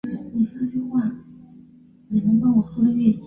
巴尔莱雷居利耶。